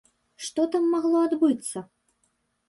Што там магло адбыцца?